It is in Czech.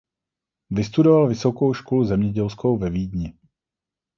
Vystudoval vysokou školu zemědělskou ve Vídni.